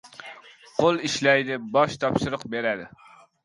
• Qo‘l ishlaydi, bosh topshiriq beradi.